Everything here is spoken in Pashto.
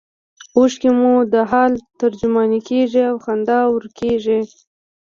اوښکې مو د حال ترجمانې کیږي او خندا ورکیږي